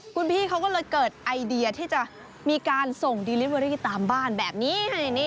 คุณพี่เขาก็เลยเกิดไอเดียที่จะมีการส่งดีลิเวอรี่ตามบ้านแบบนี้